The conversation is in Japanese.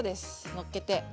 のっけて。